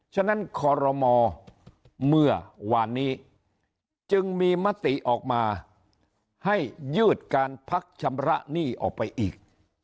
ฉะนั้นคอรมอเมื่อวานนี้จึงมีมติออกมาให้ยืดการพักชำระหนี้ออกไปอีก